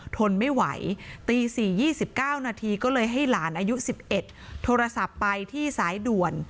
ทนไม่ไหวตี๔๒๙นาทีก็เลยให้หลานอายุ๑๑โทรศัพท์ไปที่สายด่วน